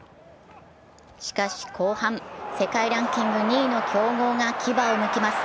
しかし後半、世界ランキング２位の強豪が牙をむきます。